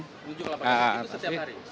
menuju kelapa gading itu setiap hari